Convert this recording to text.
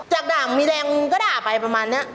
จากด่ามีแรงก็ด่าไปประมาณนี้